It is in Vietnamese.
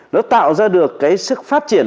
nó tạo ra được cái sức phát triển